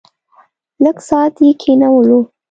لږ ساعت یې کېنولو.